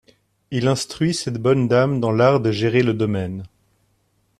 Il instruit cette bonne dame dans l'art de gérer le domaine.